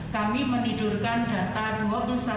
kami menidurkan data dua puluh satu